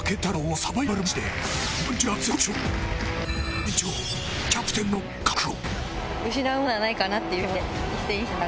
最年長、キャプテンの覚悟。